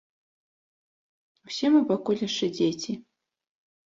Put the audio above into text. Усе мы пакуль яшчэ дзеці!